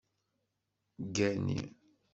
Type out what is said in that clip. Ggani!